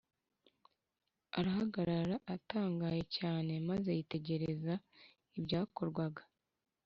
arahagarara atangaye cyane maze yitegereza ibyakorwaga